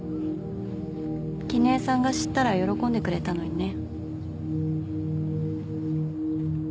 絹江さんが知ったら喜んでくれたのにね。